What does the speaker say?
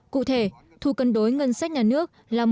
cụ thể thu cân đối ngân sách nhà nước là một